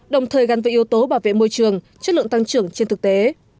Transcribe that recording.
đồng thời gắn với yếu tố bảo vệ môi trường chất lượng tăng trưởng trên thực tế